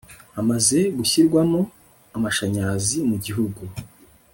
hamaze gushyirwamo amashanyarazi mugihugu